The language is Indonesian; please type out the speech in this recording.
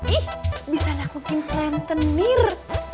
ih bisa nak bikin rentenir